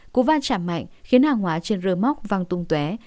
cụ va chạm mạnh khiến hàng hóa trên rơ móc văng tung tué